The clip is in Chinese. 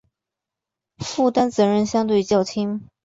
负担责任相对较轻